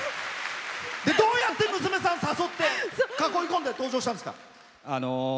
どうやって娘さんを誘って囲い込んで登場したんですか？